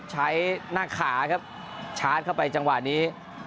ใช้หน้าขาครับชาร์จเข้าไปจังหวะนี้